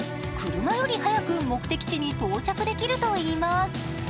車より早く目的地に到着できるといいます。